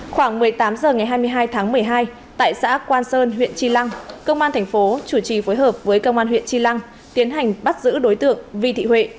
khoảng một mươi tám h ngày hai mươi hai tháng một mươi hai tại xã quan sơn huyện tri lăng công an thành phố chủ trì phối hợp với công an huyện tri lăng tiến hành bắt giữ đối tượng vi thị huệ